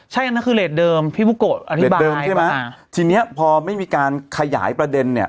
ใช่นั่นคือเรทเดิมพี่บุ๊โกะอธิบายที่นี้พอไม่มีการขยายประเด็นเนี่ย